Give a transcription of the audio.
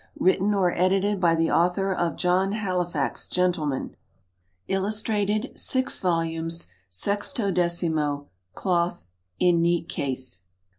Written or Edited by the Author of "John Halifax, Gentleman." Illustrated. 6 vols., 16mo, Cloth, in neat case, $5.